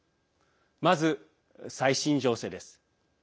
まず最新情勢です。